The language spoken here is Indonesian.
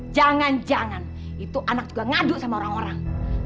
jangan jangan itu anak juga ngadu sama orang orang